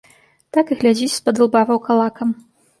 Так і глядзіць спадылба ваўкалакам.